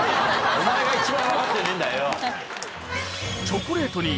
お前が一番分かってねえんだよ。